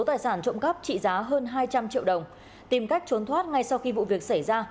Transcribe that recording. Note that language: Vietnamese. tài sản trộm cắp trị giá hơn hai trăm linh triệu đồng tìm cách trốn thoát ngay sau khi vụ việc xảy ra